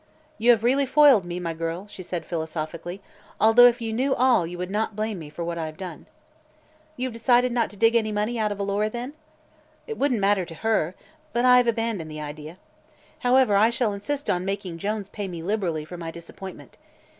"You have really foiled me, my girl," she said philosophically, "although if you knew all you would not blame me for what I have done." "You've decided not to dig any money out of Alora, then?" "It wouldn't matter to her, but I have abandoned the idea. However, I shall insist on making Jason Jones pay me liberally for my disappointment.